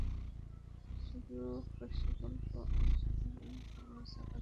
শুধু খোশগল্প আর সাধারণ খবর ছাপতে কী হয় তোমার?